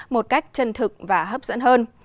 một cách chân thực và hấp dẫn hơn